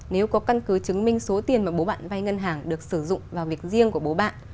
nếu có căn cứ chứng minh số tiền mà bố bạn vay ngân hàng được sử dụng vào việc riêng của bố bạn